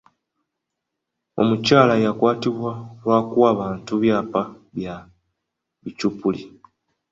Omukyala yakwatibwa lwa kuwa bantu byapa bya bicupuli.